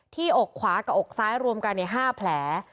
อกขวากับอกซ้ายรวมกัน๕แผล